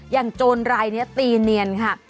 อย่างโจรรายนี่ตีเนียนค่ะ